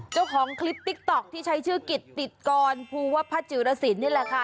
เจ้าของคลิปติ๊กต๊อกที่ใช้ชื่อกิตติดกรภูวพัจจิรสินนี่แหละค่ะ